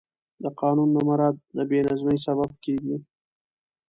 د قانون نه مراعت د بې نظمي سبب کېږي